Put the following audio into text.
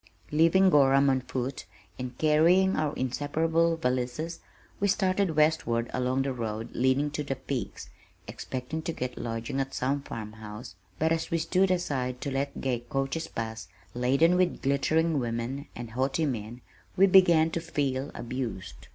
Leaving Gorham on foot, and carrying our inseparable valises, we started westward along the road leading to the peaks, expecting to get lodging at some farm house, but as we stood aside to let gay coaches pass laden with glittering women and haughty men, we began to feel abused.